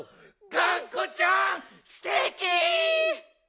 がんこちゃんすてき！